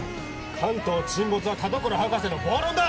関東沈没は田所博士の暴論だ！